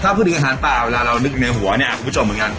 ถ้าพูดถึงอาหารเปล่าเวลาเรานึกในหัวเนี่ยคุณผู้ชมเหมือนกัน